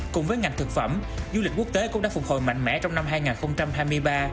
cùng với ngành thực phẩm du lịch quốc tế cũng đã phục hồi mạnh mẽ trong năm hai nghìn hai mươi ba